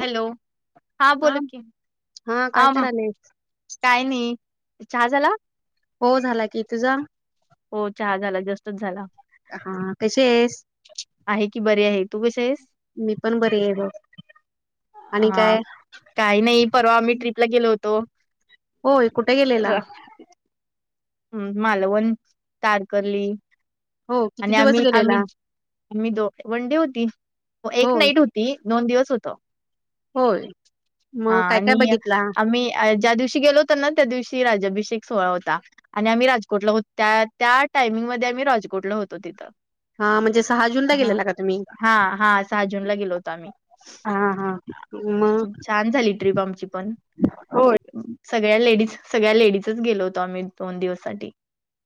Hello हा बोल की हा काय आम करायले काय नाही चहा झाला. हो झाला की तुझा. हो चहा झाला जास्तच झाला. हा हा कशी आहेस. आहे की बरी आहे तू कसे आहेस. मी पण बर आहेल बघ. आणि हा काय काही नाही परवा आम्ही ट्रीप ला गेलो होतो. होय कुठे गेलेला. हम्म मालवण तारकर्ली. हो किती आणि दिवस आम्ही आम्ही गेलेला आमही दो वनडे होती एक होय नाईट होती. ती दोन दिवस होत. होय हा मग काय काय आणि बघितला आम्ही अ ज्या दिवशी गेलो. ताना त्या दिवशी राज्याभिषेक सोहळा होता. आणि आम्ही राजकोटला होतो त्या त्या टायमिंगमध्ये आम्ही राजकोटला होतो तिथं. हा म्हणजे सहा जूनला हा गेलेला का तुम्ही हा हा सहा जूनला गेलो होता आम्ही. हा हा मग छान झाली ट्रिप आमची पण. होय सगळ्या लेडीज सगळ्या लेडीजच गेलो होतो आम्ही. दोन दिवस साठी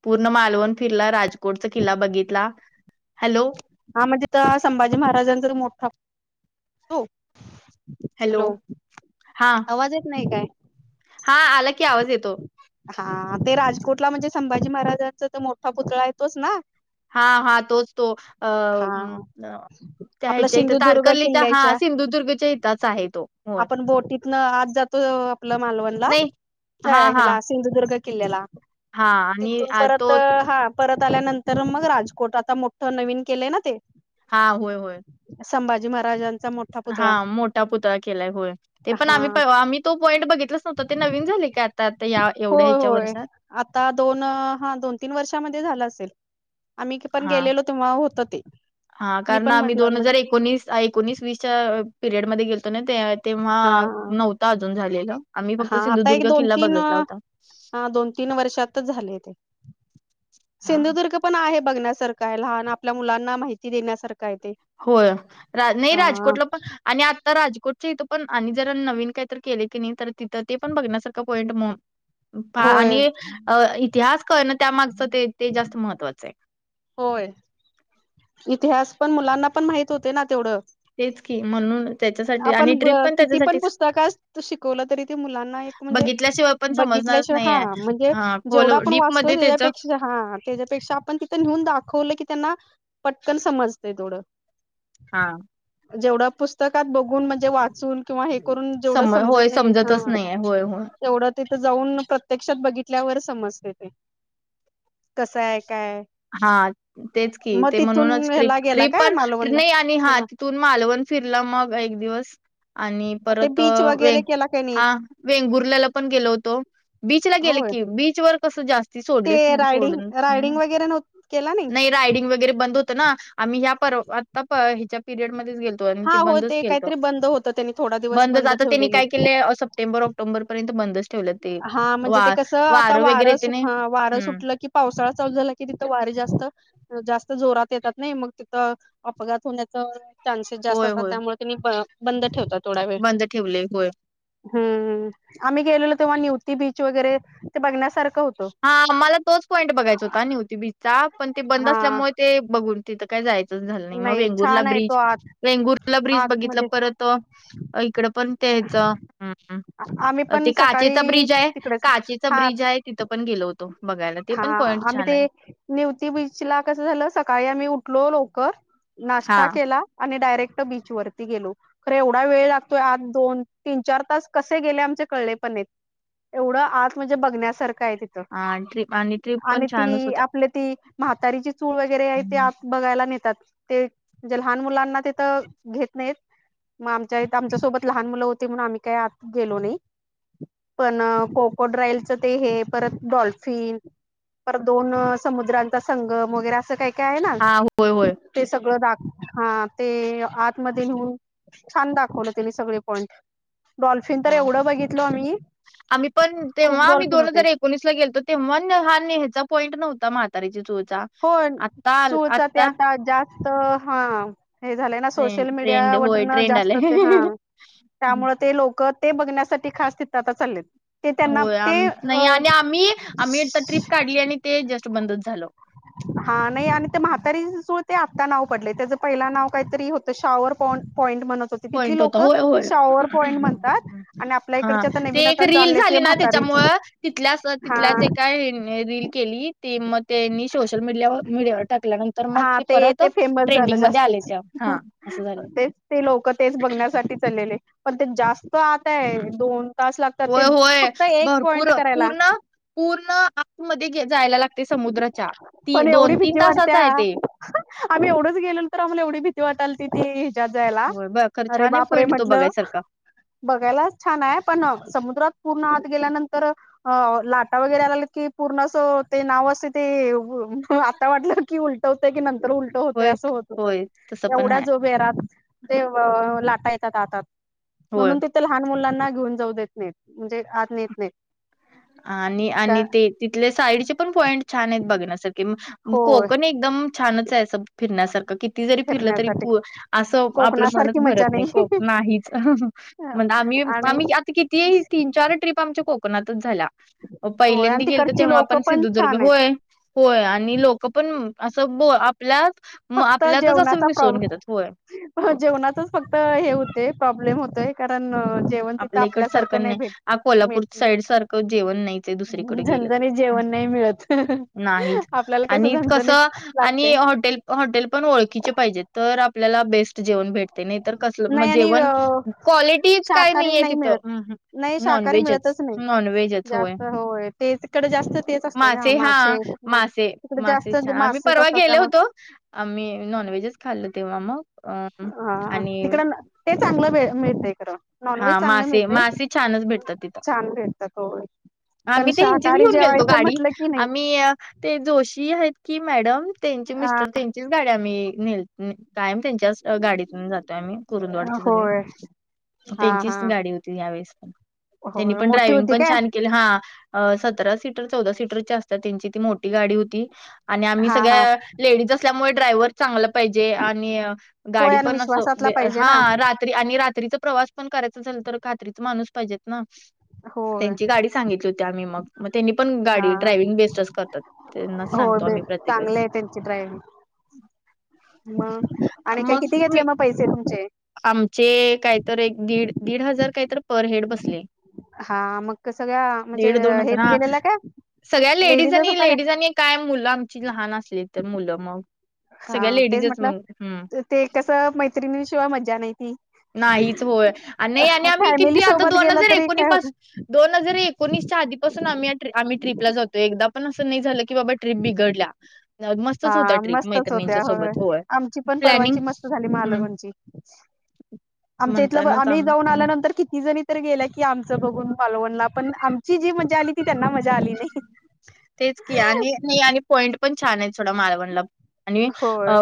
पूर्ण मालवण फिरला राजकोटचा किल्ला बघितला हॅलो. हा म्हणजे तर संभाजी महाराजांचा मोठा तू. हॅलो हा आवाज येत नाही काय. हा आला की आवाज येतो. हा ते राजकोटला म्हणजे संभाजी महाराजांचा तर मोठा पुतळा येतोच ना. हा हा तोच तो अ हा म. त्या आपला ह्याच्या इथं सिंधुदुर्ग तारकर्लीच्या हा किल्ल्याच्या सिंधुदुर्गच्या इथच आहे तो होय. न आज जातो आपलं मालवणला नाही हा नाय हा हला सिंधुदुर्ग किल्ल्याला. हा आणि तिथून आ, परत तो हा. परत आल्यानंतर मग राजकोट आता मोठं नवीन केलंय ना ते. हा होय होय. संभाजी महाराजां. हा मोठा पुतळा केलाय होय. ते पण हा आम्ही आम्ही तो पॉईंट बघितलाच नव्हतां ते नवीन झाली का. आता या एवढ्या होय ह्याच्या होय वर्षात आता दोन हा दोन तीन वर्षामध्ये झाला असेल. आम्ही पण हा गेलेलो तेव्हा होत ते हा मी कारण पण आम्ही म्हटल दोन हजार म्हणजे. एकोणीस एकोणीस वीस च्या पिरियड मध्ये गेलतो ना त्या. तेव्हा हा नव्हता अजून झालेला आम्ही फक्त हा आता एक सिंधुदुर्ग दोन किल्ला तीन बघितला होता. हा दोन तीन वर्षातच झाले ते हा. सिंधुदुर्ग. पणं आहे बघण्यांसारखं आहे लहांन आपल्यां मुलांना माहिती देण्यांसारखं आहे ते होयं नाहीं अ राजकोटलां पणं आणि आ तरं राजकोटच्यां इथं पणं आणि जरं नवीन कांहीं तरं केले की नाहीं तरं तिथं ते पणं बघण्यांसांरखं पॉईंट म्हंण पा होय आणि अ इतिहांस कायं नां त्यांमागचं ते ते जास्तं महत्त्वाचं आहे होयं इतिहांस पणं मुलांना पणं माहितं होते नां तेवढं तेचं की म्हणूंन आपणं किती पणं पुस्तकं शिकवलं तरी ते मुलांना एक म्हणजे बघितल्याशिवाय पण समजणारच बघितल्यांशिवायं नाहीये. हां म्हणजे हा जेवढां खोल आपणं डीपमध्ये वाचतोयं त्याच्या त्यांच्यापेक्षां हां त्यांच्यापेक्षां कमी आपणं तिथं नेऊन दाखवलं की त्यांनां पटकंन समजंते थोडं हां जेवढं पुस्तकांत बघूंन म्हं ते वाचूंन किंवा हे करूंन जेवढं सम होय समजतं नाहीं हां समजतच नाहीये होय होय तेवढं तिथं जाऊन प्रत्यक्षात बघितल्यावर समजले ते. कसं आहे कायं हां तेचं की ते म्हणूनचं ट्रिप ह्याला गेला ट्रीप काय पणं मालवणला नाहीं आणि हां ह्याला तूंन मालवंण फिरलं मंग एक दिवस आणि ते परंत बीच वे वगैरे केला का नाही हा वेंगुर्ल्यालां पणं गेलो होतो बीचला गेलं होय की बीचं वरं कसं जास्तं ते रायडिंग रायडिंग वगैरें नव्हतं केलं राईडीग वगेरे बंद होतमं ह्यांच्या परयड गेलो होतो हा ते हो बंदचं केलतं काहीतरी बंद होतं त्यांनी थोडा दिवस बंदचं बंद आतां त्यांनी ठेवलेले कायं केलं असं सप्टेंबर अक्टोबरपरेतं बंदचं ठेवलं ते हां म्हणजे ते वा कसं आतां वगैरे वारं येते नाही हं वारं हम्म सुटलं की पावसाळां चालूं झालां की तिथं वारी जास्तं जास्तं जोरातं येतातं नाहीं मंग तिथं अपघातं होण्याचं चान्सेस जास्तं होय असतांत होय त्यांमुळें त्यांनी बंद ठेवतांत थोडां वेळं बंद ठेवले होय. हम्मं आम्ही गेलेलो तेंव्हा नियुक्ती बीचं वगैरें ते बघण्यांसांरखं होतं हां मलां तोच पॉईंट बघायचं होतां नवं होहती बीचचां पणं तो बंद हा असल्यांमुळे ते बघूंन तिथं कायं जायचंच झालं नाहीं मंग नाही वेंगूरला छान आहे तो ब्रिज आत वेंगुरला ब्रिज बघितलं आतमध्ये परंत इकडं पणं त्यांयचं आम्ही पण ते काचेचां सकाळी ब्रिज आहे तिकडेच काचेचां हा ब्रिज आहे तिथं पणं गेलो होतो बघायलां ते हा पणं पॉइंट आम्ही छान ते आहे निवती बीच लां कसं झालं सकाळीं आम्हीं उठलो लवकरं हा नाश्तां केलां आणि डायरेक्टं बीचं वरती गेलो खरं एवढां वेंळं लागतोयं आंज दोन तीनं चार तांस कसे गेले आमचे कळले पणं ई एवढं आंत मंध्यें बघण्यांसांरखं आहे तिथं हां ट्रीप आणि ट्रिप पणं आणि छानचं ती होत्यां आपले ती म्हातांरीची चूळं वगैरें आहे ते आंत बघांयलां नेतांत ते म्हणजे लहांन मुलांना तेथे घेतं नाहीतं मंग आमच्यां आमच्यांसोबतं लहांन मुलं होती म्हणून आम्हीं कांहीं आंत गेलो नाहीं पणं कोको ड्राईलचं ते हे परंत डॉल्फ सेप पांर दोन समुद्रांचा संगम वगैरें असं कांहीं कायं आहे हा होय नां होय ते सगळं दाखवून हां ते आतमंध्ये नेहूंन छान दाखवलं त्यांने सगळें पॉइंट डॉल्फिन तरं होय. एवढं बघितलो आम्हीं खूंप डॉल्फिन होते कोणीसलां गेलतो तेंव्हा हां नेहंचा पॉईंट नव्हतां म्हातांरीच्यां चुळंचां हो चूळंचां ते आतां जास्तं हां हे झालंय नां ट्रेंड सोशल ट्रेंड मीडियां होय वूंन ट्रेंड जास्तं ते हां आलंय. त्यामुळें ते लोकं ते बघण्यांसांठी खांस तिथं आतां चाललेलं होयं आम्ही नाहीं आणि आम्हीं आम्हीं ट्रिप काढलीं आणि ते जस्टं बंदचं झालो हां नाहीं आणि त्यां म्हातांरीची चूळं ते आत्ता नाव पडलयं. त्याचं पहिला नाव काहीतरी होतं शॉवर पॉईंट म्हणत होत - - तिथली पॉईंट होता लोक होय होय. शॉवर पॉइंट म्हणतात आणि आपल्या हा इकडचे आता ते नवीन एक आता रील जालेत झाली ना म्हातारीच त्याच्यामुळं तिथल्याच हा तिथल्याच एककाय रील केली ती मग त्यांनी सोशल मीडल्यावर मीडियावर टाक ल्यानंतर मग हा ते परत फेमस झालं ट्रेंडिंग मध्ये आले जास्तच ते हा अस झालं. तेच ते लोक तेच बघण्यासाठी चालेले. पण ते जास्त आताय दोन तास लागतात ते होय - - होय फक्त एक भरपूर पॉइंट करायला. पूर्ण पूर्ण आतमध्ये जायला लागतयं समुद्राच्या ती पण दोन एवढी तीन भीती तासाचा वाटत्या हाय ते. आम्ही एवढंच गेलो तर आम्हाला एवढी भीती वाटाल तिथती हिजात जायला होय ब खर अरे छान आहे बापरे पॉईंट तो म्हटलं. बघायसारखा बघायलाच छान हाय. पण समुद्रात पूर्ण हात गेल्यानंतर अ लाटा वगैरे आला की पूर्ण असं - - ते नाव असते ते आता वाटलं की उलट होतयं की नंतर उल होतय होय असं होत. होय तसं पण एवढ्या हाय जोभेरात- - ते लाटा येतात आत आत होय म्हणून ते तर लहान मुलांना घेऊन जाऊ देत नाहीत, म्हणजे आत नेत नाहीत. का आणि ते तिथले साईडचे पण पॉइंट छान हेत बघण्यासारखे होय कोकण एक - - एकदम छानच हाय अस फिरण्यासारखं. किती जरी फिरलं तरी फिरण्यासाठी असं आपलं मनच कोकणासारखी भरत मजा नाही कोकण आहेचं. म्हण आम्ही आणि आम्ही आता किती तीन, चार ट्रीप आमच्या कोकणातच झाल्या. अ होय आणि पहिल्यांदा गेलत तिकडची तेव्हा लोक पण सिंधुदुर्ग छान आहेत होय. होय आणि लोक पण असं ब आपल्यात - - फक्त जेवणाचा प्रॉब्लेम - - जेवणातच फक्त हे होत प्रॉब्लेम होतय कारण जे- - आपल्याकड सारखं नाही. कोल्हापूर साईड मिळत सारखं जेवण नाहीचं हाय दुसरीकडे गेलं तर. झणझणीत जेवण नाही मिळत नाहीच आपल्याला कसं आणि कस झणझणीत लागते आणि हॉटेल हॉटेल पण ओळखीचे पाहिजेत, तर आपल्याला बेस्ट जेवण भेट - - तयं नाही तर कसलं नाही आणि जेवण. क्वालिटीच काय शाकाहारी नाहीये नाही मिळत तिथं. नाही. शाकाहारी नॉनव्हेजच मिळतच नाही नॉनव्हेजच जास्त होय ते तकडे जास्त तेच असते ना मासे. मासे, तिकडे मासे जास्त [unintelligible] आम्ही मासेच परवा असतात गेले होतो. त्यामुळे आम्ही नॉनव्हेजच खाल्ल तेव्हा मग. अ हा. आणि तिकड न ते चांगलं भे मिळतय खरं. नॉन व्हेज हा चांगला मासे मिळतय. मासे छानच भेटतात तिथं छान भेटतात होय. पण आम्ही ते हेचीच शाकाहारी घेऊन गेलतो जेवायचं गाडी म्हटलं की नाही आम्ही ते जोशी हाईत की मॅडम त्यांचे मिस्टर त्यांची त्याची गाडी आम्ही नेल [unintelligible] कायम त्यांच्याच गाडीतून जातोय आम्ही कुरुंदवाडची सगळे. होय हा हा त्यांचीच गाडी होती यावेेळेस त्यांनी होय पण मोठी ड्रायविंग होती पण काय छान हा. सतरा सीटर, चौदा सीटरची असत्या त्यांची ती मोठी गाडी होती. आणि आम्ही हा हा सगळ्या लेडीज असल्यामुळे ड्रायव्हर चांगलं पाहिजे आणि होय गाडी आणि पण अस विश्वासातला पाहिजे ना हा. रात्री आणि रात्रीचा प्रवास पण करायचं असेल तर खात्रीच माणूस पाहिजेतना. होय त्यांची गाडी सांगितली होती आम्ही मग. मग त्यांनी पण हा गाडी ड्रायविंग बेस्टच करतात. त्यांनाच होय सांगतो बे आम्ही प्रत्येक वेळेस. चांगले आहे त्यांची ड्रायविंग मग आणि काय मग किती घेतले मी मग पैसे तुमचे? आमचे काहीतर एक दीड, दीड हजार काहीत पर हेड बसले. हा. मग सगळ्या- - दीड दोन हजार हा सगळ्या लेडीजच लेडीजांनी होता काय लेडीजांनी काय मुलं आमची लहान असली तर मुलं मग सगळ्या हा तेच लेडीजच म्हटलं हम्. हं. ते कसं मैत्रिणीशिवाय मजा नाही [unintelligible] नाहीच होय आणि नाही आणि आम्ही फॅमिली किती आता सोबत दोन गेलं हजार तरी एकोणी काय होत पासु दोन हजार एकोणीसच्या आधीपासून आम्ही या ट्रीप आम्ही ट्रीपला जातोयं. एकदा पण असं नाही झालं - - कि बाबा ट्रीप बिघडल्या. मस्तच होत्या हा ट्रिप मस्तच होत्या मैत्रिणींच्या होय, सोबत आमची पण प्लॅनिंग परवाची मस्त झाली हम्म महालवनची. आमच्या इथलं म्हणतानाच आम्ही आम जाऊन हं. आल्यानंतर किती जनी तर गेल की आमच बघून मालवणला पण आमची जी मजा आली ती त्यांना मजा आली नाही तेच की आणि नाही आणि पॉईंट पण छान आहे सोडा मालवणला, आणि होय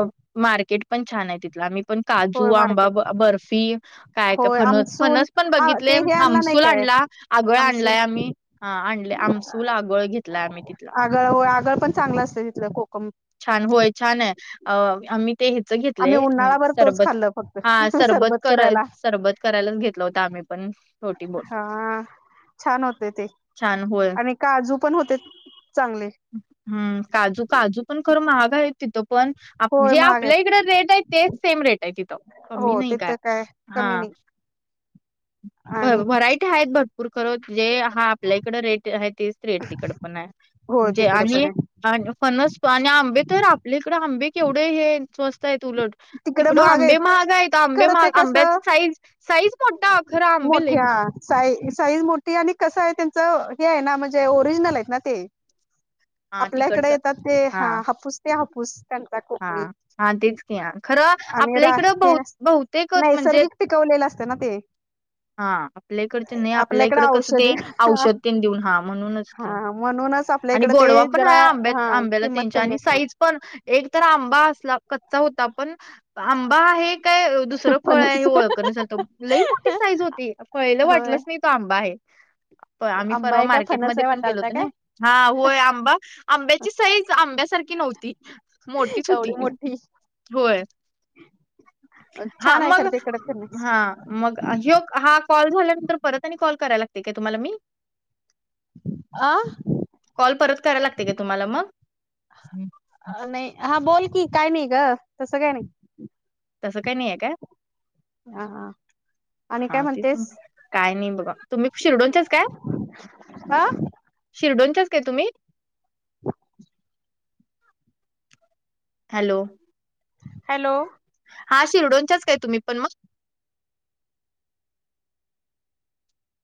मार्केट पण छान आहे तिथला आम्ही पण काजू, होय आंबा मार्केट बर्फी, काय होय फनस आमसूल फनस पण बघितले ते हे आणला नाही आमसूल काय आणला. आगळ आमसूल आणलाय आम्ही, हा आणल आमसूल आगळ घेतलाय आम्ही तिथला. आगळ होय आगळ पण चांगलं असतं तिथलं कोकम. छान होय छान आहे अ आम्ही ते हिच आम्ही घेतलय, उन्हाळाभर तोच सरबत, खाल्लं फक्त हा सरबत कराय करायला सरबत करायलाच घेतला होत आम्ही पण, छोटी बोट. हा छान होते ते, छान होय. आणि काजू पण होते, चांगले. हम्म काजू काजू पण खरं महाग आहेत तिथं पण. होय जे महाग आपल्या आहेत इकड रेट आहे तेच सेम रेट आहे तिथं कमी हो नाही काय तिथं कमी हा. नाही आणि व्हरायटी आहेत भरपूर खरं जे हा आपल्या इकड रेट आहे तेच रेट तिकड पण आहे, होय म्हणजे तिकडं पण आणि आहे आणि फणस आणि आंबे तर आपल्याकडे आंबे केवढे हे स्वस्त तईत उलट, तिकड आंबे महाग आहेत आंबे खरं महाग ते आंब्याच कसं साईज साईज मोठा. खरं आंबे लई मोठ्या. महाग. साई साईज मोठी आणि कसं आहे त्यांच हे आहे ना म्हणजे ओरिजनल आहेत ना ते. हां आपल्या इकडे तिकडचं येतात ते ह हां हापूस ते हापूस. [unintelligible] कोकणी, हां. हां तेच की हां. खरं आणि आपल्या राह इकडं ते, बहु बहुतेक म्हणजे नैसर्गिक. पिकवलेलं असतं ना ते. हा आपल्याकडच नाही आपल्या आपल्याकडे इकड कसं ते औषधी औषध ते देऊन हा म्हणूनच हा म्हणूनच आपल्या आणि इकडे ते गोडवा पण जरा हाय हा आंबत, आंब्याला किंमत त्यांच्या कमी आणि असते साईज पण एक तर आंबा असला कच्चा होता पण, आंबा आहे काय दुसरं फळ आहे हे फणस ओळखना झालत लई मोठी साईज होती पहिला होय वाटलंच नाही. तो आंबा आहे, आम्ही आंबा परवा आहे काय फणस मार्केटमध्ये आहे पण गेलो वाटालता होतो नई. काय हा होय आंबा, आंब्याची साईज आंब्यासारखी नव्हती. मोठीच एवढी होती, मोठी होय. हा छान आहे मग, खर ते इकडे फणस हा. मग हो हा कॉल झाल्यानंतर परत आणि कॉल करायला लागतय काय तुम्हाला मी. अ कॉल परत करायला लागतय काय तुम्हाला म. नाही हा बोल की काय नाही ग तसं काय नाही. तसं काही नाही आहे का, हा आणि काय हा तेच म्हणतेस काय नाही बघा. तुम्ही शिर्डोंनच्याच काय, हा शिर्डोंनच्याच काय तुम्ही? [inaudible] हॅलो. हॅलो. हा शिरडोंनच्याच काय तुम्ही पण मग.